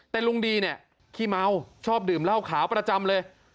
แต่ลุงดีเนี่ยขี้เมาชอบดื่มเหล้าขาวประจำเลย